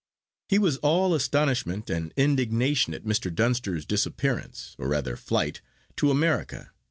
He was all astonishment and indignation at Mr. Dunster's disappearance, or rather flight, to America.